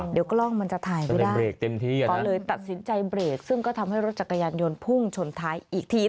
เดี๋ยวกล้องมันจะถ่ายไปได้ตัดสินใจเบรกซึ่งก็ทำให้รถจักรยานยนต์พุ่งชนท้ายอีกที